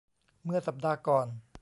เมื่อสัปดาห์ก่อน